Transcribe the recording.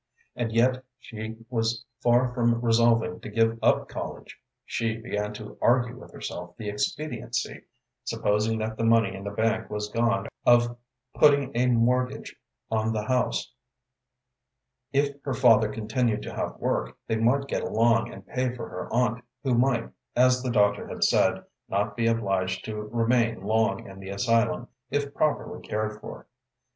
And yet she was far from resolving to give up college. She began to argue with herself the expediancy, supposing that the money in the bank was gone, of putting a mortgage on the house. If her father continued to have work, they might get along and pay for her aunt, who might, as the doctor had said, not be obliged to remain long in the asylum if properly cared for.